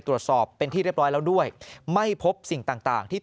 ตรวจสอบเป็นที่เรียบร้อยแล้วด้วยไม่พบสิ่งต่างต่างที่